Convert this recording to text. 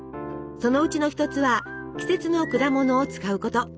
そのうちの一つは季節の果物を使うこと。